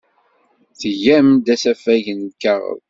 Tgam-d asafag n lkaɣeḍ.